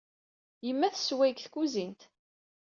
Yemma tessewway deg tkuzint.